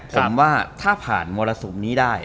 ผมว่าถ้าผ่านมรสุมนี้ได้